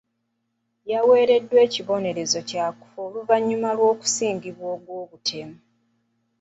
Yaweereddwa ekibonerezo kya kufa oluvannyuma lw'okusingisibwa ogw'obutemu.